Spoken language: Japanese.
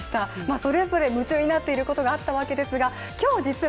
それぞれ夢中になっていることがあったわけですが、今日、実は